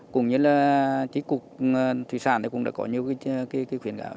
cũng như là chí cục thủy sản thì cũng đã có nhiều cái khuyến cáo